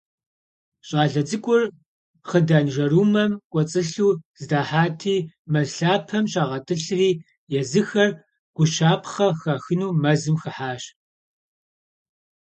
Щӏалэ цӏыкӏур хъыданжэрумэм кӏуэцӏылъу здахьати, мэз лъапэм щагъэтӏылъри, езыхэр гущапхъэ хахыну мэзым хыхьащ.